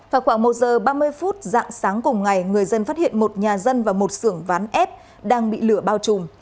vào khoảng một giờ ba mươi phút dạng sáng cùng ngày người dân phát hiện một nhà dân và một xưởng ván ép đang bị lửa bao trùm